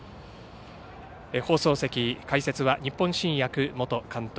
放送席、解説は日本新薬元監督